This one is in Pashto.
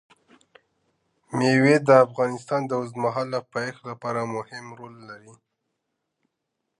مېوې د افغانستان د اوږدمهاله پایښت لپاره مهم رول لري.